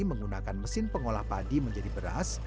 menggunakan mesin pengolah padi menjadi beras